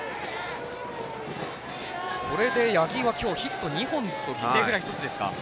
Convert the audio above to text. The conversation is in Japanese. これで八木はヒット２本と犠牲フライ１つですか。